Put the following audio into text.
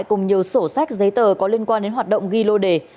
cùng nhiều sổ sách giấy tờ có liên quan đến hoạt động ghi lô đề